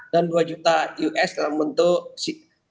dan dua juta us dalam bentuk cisr